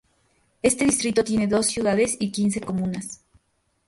Este distrito tiene dos ciudades y quince comunas.